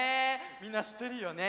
みんなしってるよね？